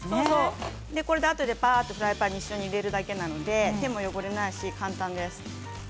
フライパンに一緒に入れるだけなので手も汚れないし簡単です。